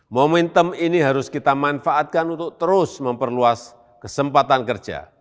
momentum ini harus kita manfaatkan untuk terus memperluas kesempatan kerja